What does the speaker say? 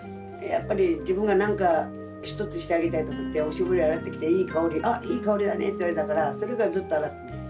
やっぱり自分が何か一つしてあげたいと思っておしぼり洗ってきていい香りあっいい香りだねって言われたからそれからずっと洗ってます。